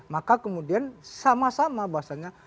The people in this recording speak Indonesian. maka kemudian sama sama bahasanya